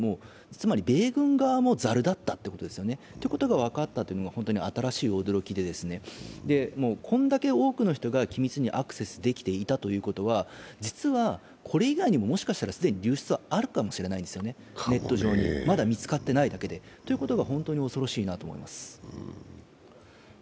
つまり米軍側もザルだったということが分かったというのが、本当に新しい驚きで、こんだけ多くの人が機密にアクセスできていたということは実は、これ以外にももしかしたら既に流出がネット上にあるかもしれない、まだ見つかっていないだけでということが本当に恐ろしいなと思います。